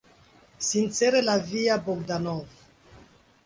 Sincere la via, Bogdanov.